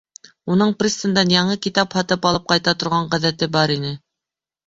Уның пристандән яңы китап һатып алып ҡайта торған ғәҙәте бар ине.